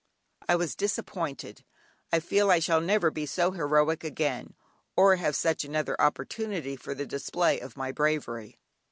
I was disappointed: I feel I shall never be so heroic again, or have such another opportunity for the display of my bravery.